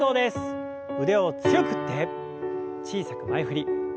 腕を強く振って小さく前振り。